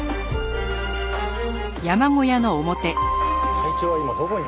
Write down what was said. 隊長は今どこに？